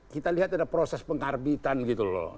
kita lihat ada proses pengarbitan gitu loh